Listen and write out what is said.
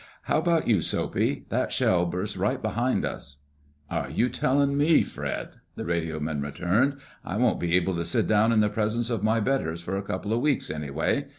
"How about you, Soapy? That shell burst right behind us." "Are you telling me, Fred?" the radioman returned. "I won't be able to sit down in the presence of my betters for a couple of weeks, anyway.